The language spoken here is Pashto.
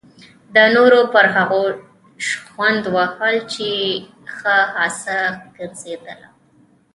د نورو پر هغو شخوند وهل یې ښه خاصه ګرځېدلې.